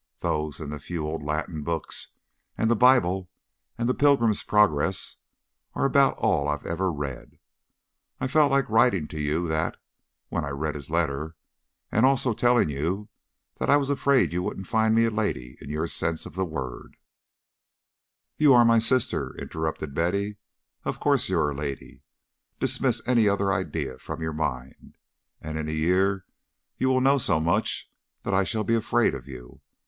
Those and the few old Latin books and the Bible and the Pilgrim's Progress are about all I've ever read. I felt like writing you that when I read his letter, and also telling you that I was afraid you wouldn't find me a lady in your sense of the word " "You are my sister," interrupted Betty; "of course you are a lady. Dismiss any other idea from your mind. And in a year you will know so much that I shall be afraid of you.